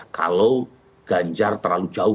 kalau ganjar terlalu jauh